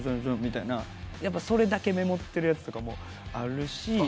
それだけメモってるやつとかもあるし。